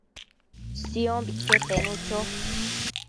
Siombique penu cho